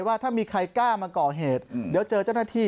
ว่าถ้ามีใครกล้ามาก่อเหตุเดี๋ยวเจอเจ้าหน้าที่